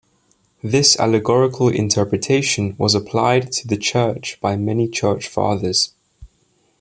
This allegorical interpretation was applied to the church by many church fathers.